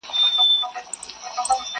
دوې درې ورځي کراري وه هر څه ښه وه٫